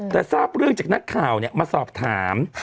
แต่ทราบเรื่องจากนักข่าวมาสอบถาม